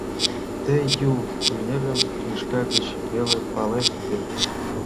— Тый Юл эҥерым книжка гыч веле палет вет?